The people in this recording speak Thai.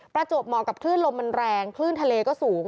ประจวบเหมาะกับคลื่นลมมันแรงคลื่นทะเลก็สูง